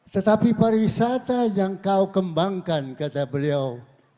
tetapi pariwisata yang kau kembangkan kata beliau